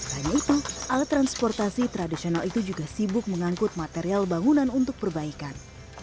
hanya itu alat transportasi tradisional itu juga sibuk mengangkut material bangunan untuk perbaikan